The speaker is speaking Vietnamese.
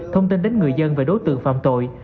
thông tin đến người dân về đối tượng phạm tội